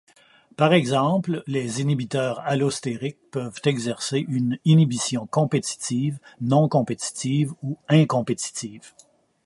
Par exemple, les inhibiteurs allostériques peuvent exercer une inhibition compétitive, non compétitive ou incompétitive.